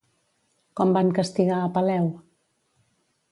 Com van castigar a Peleu?